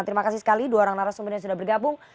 terima kasih sekali dua orang narasumber yang sudah bergabung